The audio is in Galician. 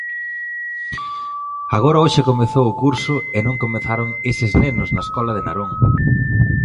Agora hoxe comezou o curso e non comezaron eses nenos na escola de Narón.